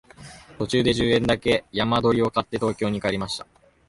途中で十円だけ山鳥を買って東京に帰りました